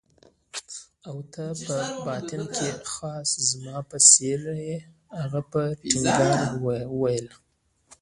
او ته په باطن کې خاص زما په څېر يې. هغه په ټینګار وویل.